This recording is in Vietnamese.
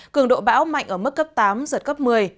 cường độ bão mạnh ở mức cấp tám giật cấp một mươi